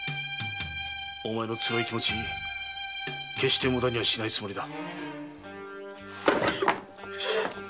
お前のつらい気持ち無駄にはしないつもりだ。